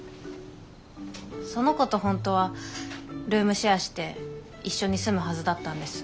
その子と本当はルームシェアして一緒に住むはずだったんです。